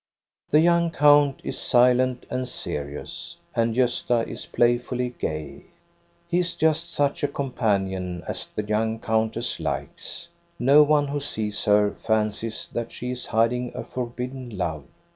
The young count is silent and serious, and Gosta is playfully gay. He is just such a companion as the young ^^ountess likes. No one who sees her fancies that she is hiding a forbidden love.